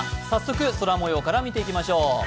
早速空もようから見ていきましょう。